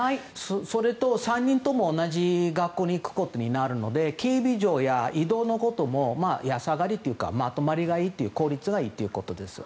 それと、３人とも同じ学校に行くことになるので警備上や、移動のことでも安上がりというかまとまりがいいという効率がいいということです。